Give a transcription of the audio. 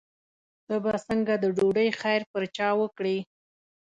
ته به څنګه د ډوډۍ خیر پر چا وکړې.